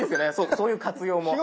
そういう活用も。